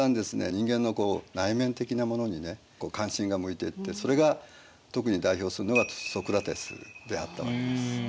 人間の内面的なものにね関心が向いていってそれが特に代表するのがソクラテスであったわけです。